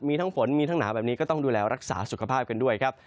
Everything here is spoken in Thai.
มีทั้งฝนมีทั้งหนาวแบบนี้ก็ต้องดูแลรักษาสุขภาพกันด้วยครับ